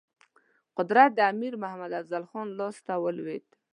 قدرت د امیر محمد افضل خان لاسته ولوېد.